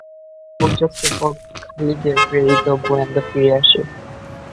সূর্যাস্তের পর খালিদের প্রেরিত গোয়েন্দা ফিরে আসে।